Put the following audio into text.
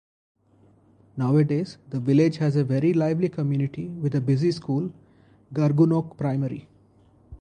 Nowadays, the village has a very lively community with a busy school, Gargunnock Primary.